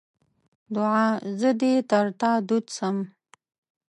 دوعا: زه دې تر تا دود سم.